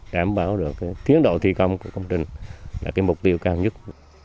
đảm bảo được tiến độ thi công của công trình là mục tiêu cao nhất